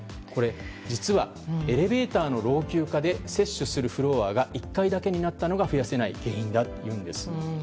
実は、エレベーターの老朽化で接種するフロアが１階だけになったのが増やせない原因だというんです。